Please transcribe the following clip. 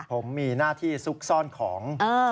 ผมมีหน้าที่ซุกซ่อนของ